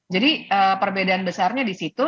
jadi perbedaan besarnya di situ